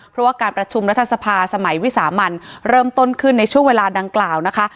เพราะว่าการประชุมรัฐสภาสมัยวิสามันเริ่มต้นขึ้นในช่วงเวลาดังกล่าวนะคะ